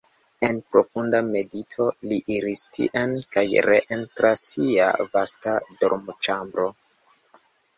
En profunda medito li iris tien kaj reen tra sia vasta dormoĉambro.